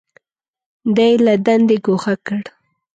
دی یې له دندې ګوښه کړ.